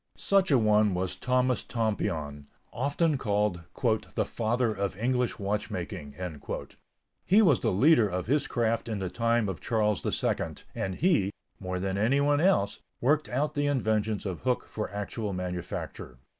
Such a one was Thomas Tompion, often called "the father of English watchmaking." He was the leader of his craft in the time of Charles II and he, more than anyone else, worked out the inventions of Hooke for actual manufacture.